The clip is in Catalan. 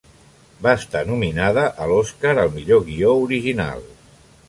Va estar nominada a l'Oscar al millor guió original.